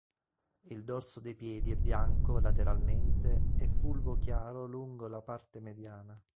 Il dorso dei piedi è bianco lateralmente e fulvo chiaro lungo la parte mediana.